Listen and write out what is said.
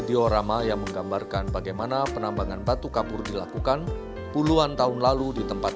diorama yang menggambarkan bagaimana penambangan batu kapur dilakukan puluhan tahun lalu di tempat